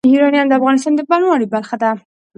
یورانیم د افغانستان د بڼوالۍ برخه ده.